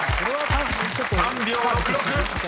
［３秒６６］